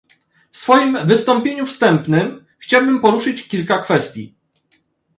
W swoim wystąpieniu wstępnym chciałbym poruszyć kilka kwestii